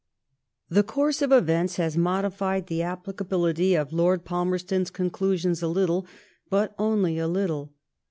The course of events has modified the applicability of Xiord Palmerston's conclusions a little, but only a little.